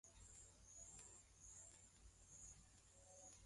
li wako unaongeza uzalishaji wa joto mwilini